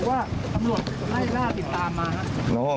ว่าตำรวจไล่ล่าติดตามมาครับ